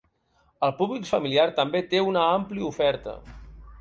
El públic familiar també té una àmplia oferta.